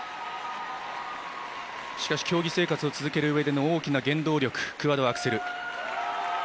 しかし競技生活を続けるうえでの大きな原動力クワッドアクセル。